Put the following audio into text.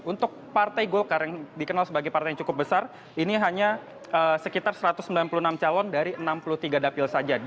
untuk partai golkar yang dikenal sebagai partai yang cukup besar ini hanya sekitar satu ratus sembilan puluh enam calon dari enam puluh tiga dapil saja